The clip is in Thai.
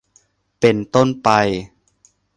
เป็นต้นไป